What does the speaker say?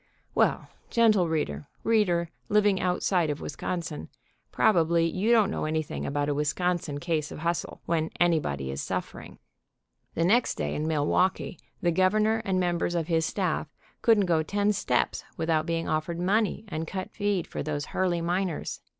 Well, gentle reader, reader living outside of Wis consin, probably you don't know anything about a 106 CALLING AN AUDIENCE WITH A FIRE ALARM Wisconsin case of hustle, when anybody is suffering. The next day in Milwaukee the Governor and mem bers of his staff couldn't go ten steps without being offered money and cut feed for those Hurley miners.